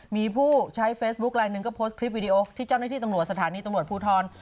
มีผู้ใช้เฟซบุ๊คไลนึงก็โพสต์คลิปวิดีโอที่เจ้าหน้าที่ตำรวจสถานีตำรวจภูทร